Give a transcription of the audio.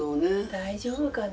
大丈夫かな。